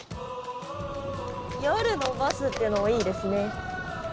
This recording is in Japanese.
夜のバスっていうのもいいですね。